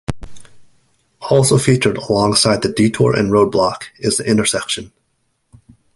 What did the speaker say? Also featured alongside the Detour and Roadblock is the Intersection.